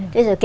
thế rồi kể